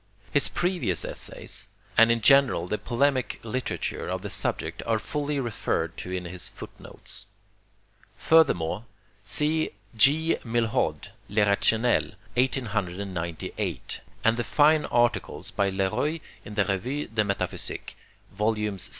His previous essays and in general the polemic literature of the subject are fully referred to in his footnotes. Furthermore, see G. Milhaud: le Rationnel, 1898, and the fine articles by Le Roy in the Revue de Metaphysique, vols.